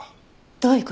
どういう事？